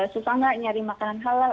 suka nggak nyari makanan halal